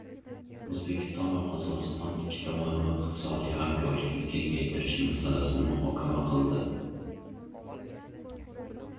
O‘zbekiston va Qozog‘iston ikki tomonlama iqtisodiy hamkorlikni kengaytirish masalasini muhokama qildi